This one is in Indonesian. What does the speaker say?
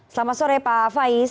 selamat sore pak faiz